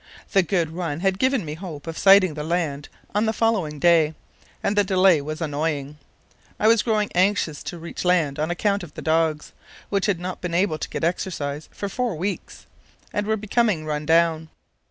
The good run had given me hope of sighting the land on the following day, and the delay was annoying. I was growing anxious to reach land on account of the dogs, which had not been able to get exercise for four weeks, and were becoming run down.